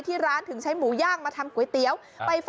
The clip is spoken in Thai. โปรดติดตามต่อไป